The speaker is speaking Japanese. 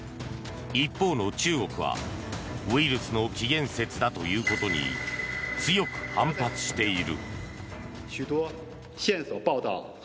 一方の中国はウイルスの起源説だということに強く反発している。